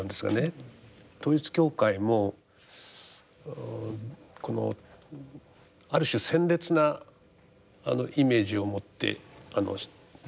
統一教会もこのある種鮮烈なイメージを持って出てきたというか。